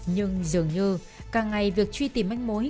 nhưng dường như càng ngày việc truy tìm anh mối